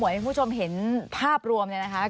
ควิทยาลัยเชียร์สวัสดีครับ